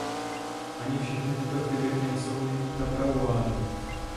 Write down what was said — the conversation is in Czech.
Ani všechny tyto chyby nejsou nyní napravovány.